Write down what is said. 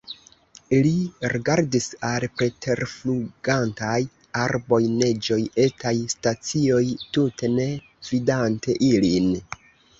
Li rigardis al preterflugantaj arboj, neĝoj, etaj stacioj, tute ne vidante ilin.